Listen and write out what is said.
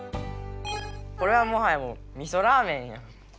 これはもはやもうみそラーメンやん。